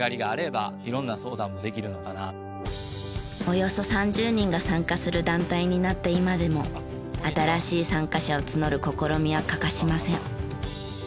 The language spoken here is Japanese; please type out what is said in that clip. およそ３０人が参加する団体になった今でも新しい参加者を募る試みは欠かしません。